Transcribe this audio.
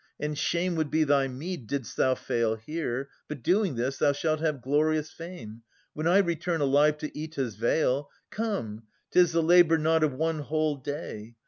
And shame would be thy meed, didst thou fail here ; But, doing this, thou shalt have glorious fame, When I return alive to Oeta's vale. Come, 'tis the labour not of one whole day.